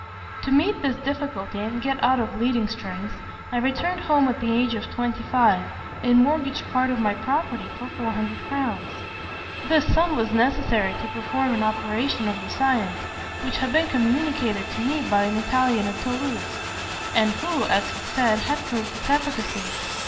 "To meet this difficulty and get out of leading strings, I returned home at the age of twenty five, and mortgaged part of my property for four hundred crowns. This sum was necessary to perform an operation of the science, which had been communicated to me by an Italian at Toulouse, and who, as he said, had proved its efficacy.